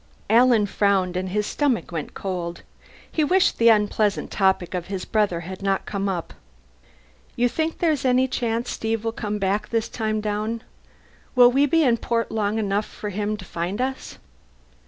Alan frowned and his stomach went cold. He wished the unpleasant topic of his brother had not come up. "You think there's any chance Steve will come back, this time down? Will we be in port long enough for him to find us?"